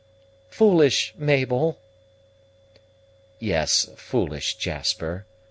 "Foolish, Mabel!" "Yes, foolish, Jasper.